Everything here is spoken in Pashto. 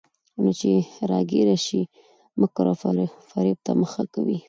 نو چې راګېره شي، مکر وفرېب ته مخه کوي.